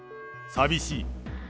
寂しい。